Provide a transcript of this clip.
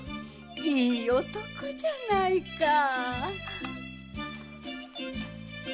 いい男じゃないかぁ。